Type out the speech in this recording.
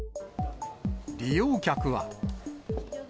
利用客は。